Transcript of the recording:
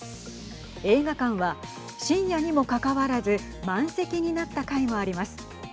映画館は深夜にもかかわらず満席になった回もあります。